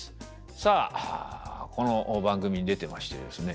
さあこの番組に出てましてですね